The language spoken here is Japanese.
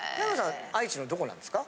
愛知県のどこなんですか？